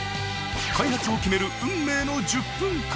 開発を決める運命の１０分会議。